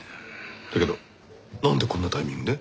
だけどなんでこんなタイミングで？